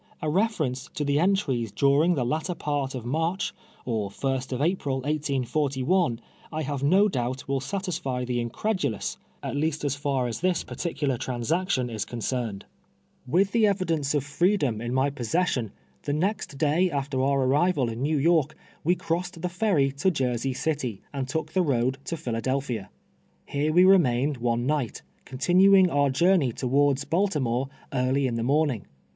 A reference to the entries during the latter part of IMarch, or first of April, 1841, I have no doubt will satisfy the incredulous, at least so far as this par ticular transaction is concerned. ARRR^AL AT WASHINGTON'. 33 AVitli tlie evidence of freedom in my possession, the next day after onr arrival in New Y< irk, wo crossed the ferry to Jersey City, and took the road to Phila delphia. Here wo remained one night, continuing onr jonrney towards Baltimore early in the morning.